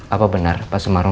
apa benar pak sumarno